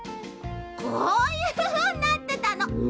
こういうふうになってたの。